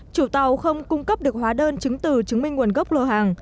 chủ tàu không cung cấp được hóa đơn chứng từ chứng minh nguồn gốc lô hàng